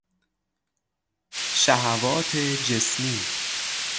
شهوات جسمی